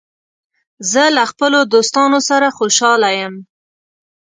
زه له خپلو دوستانو سره خوشاله یم.